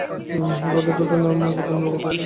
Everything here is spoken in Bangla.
হঠাৎ একটা ঘটনায় সে কথা মনে করিয়ে দিলে।